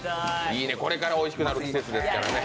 これからおいしくなる季節ですからね